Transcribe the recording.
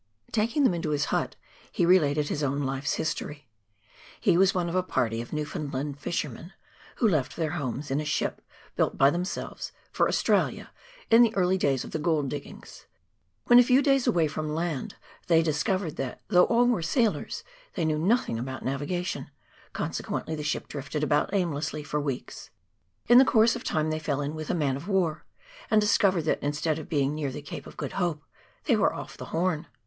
Taking them into his hut he related his own life's history. He was one of a party of Newfoundland fishermen, who left their homes, in a ship built by themselves, for Australia, in the early days of the gold diggings. When a few days away from land, they discovered that, though all were sailors, they knew nothing about navigation ; consequently the ship drifted about aimlessly for weeks. In course of time they fell in with a man of war, and discovered that, instead of being near the Cape of Good Hope, they were ofi" the Horn.